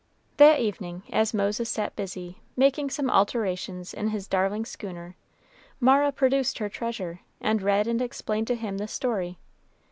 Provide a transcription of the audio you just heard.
That evening, as Moses sat busy, making some alterations in his darling schooner, Mara produced her treasure, and read and explained to him the story.